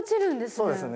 そうですね。